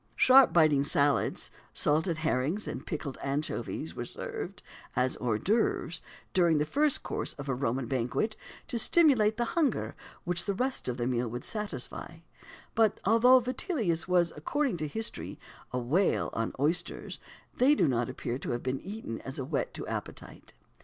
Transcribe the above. "Sharp biting salads," salted herrings, and pickled anchovies, were served, as hors d'oeuvres during the first course of a Roman banquet, to stimulate the hunger which the rest of the meal would satisfy; but although Vitellius was, according to history, "a whale on" oysters, they do not appear to have been eaten as a whet to appetite.